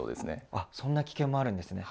あっそんな危険もあるんですね。